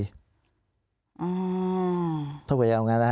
ถ้าเผื่อเรียกพลโทษจำคุก๔ปี